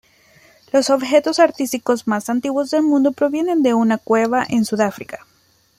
Los objetos artísticos más antiguos del mundo provienen de una cueva en Sudáfrica.